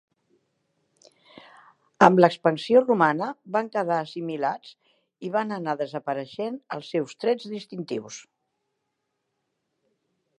Amb l'expansió romana, van quedar assimilats i van anar desapareixent els seus trets distintius.